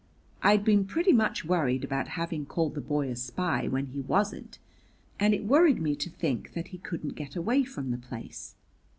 I'd been pretty much worried about having called the boy a spy when he wasn't, and it worried me to think that he couldn't get away from the place.